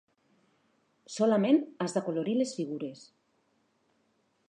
Solament has d'acolorir les figures.